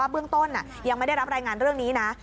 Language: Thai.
เบื้องต้นยังไม่ได้รับรายงานเรื่องนี้นะ